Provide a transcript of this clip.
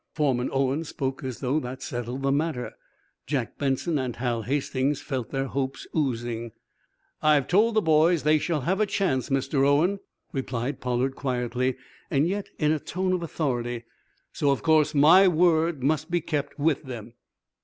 Foreman Owen spoke as though that settled the matter. Jack Benson and Hal Hastings felt their hopes oozing. "I've told the boys they shall have a chance Mr. Owen," replied Pollard quietly, yet in a tone of authority. "So of course my word must be kept with them."